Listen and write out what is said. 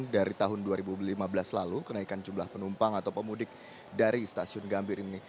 dari tahun dua ribu lima belas lalu kenaikan jumlah penumpang atau pemudik dari stasiun gambir ini